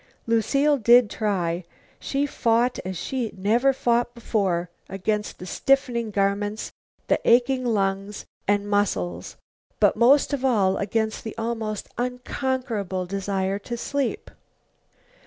Lucile did try. She fought as she had never fought before, against the stiffening garments, the aching lungs and muscles, but most of all against the almost unconquerable desire to sleep.